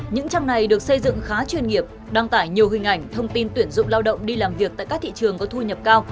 những trang này được xây dựng khá chuyên nghiệp đăng tải nhiều hình ảnh thông tin tuyển dụng lao động đi làm việc tại các thị trường có thu nhập cao